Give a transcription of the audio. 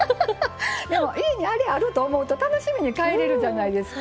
でも家にあれあると思うと楽しみに帰れるじゃないですか。